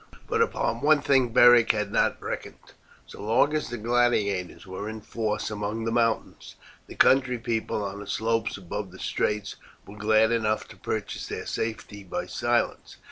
But upon one thing Beric had not reckoned. So long as the gladiators were in force among the mountains the country people on the slopes above the straits were glad enough to purchase their safety by silence.